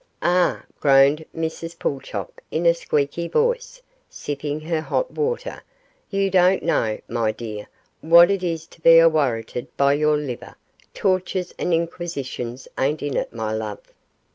'Ah!' groaned Mrs Pulchop, in a squeaky voice, sipping her hot water; 'you don't know, my dear, what it is to be aworrited by your liver tortures and inquisitions ain't in it, my love.